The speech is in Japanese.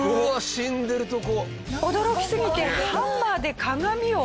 死んでるとこ。